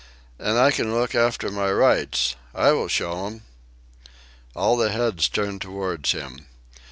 And I can look after my rights! I will show 'em!" All the heads turned towards him.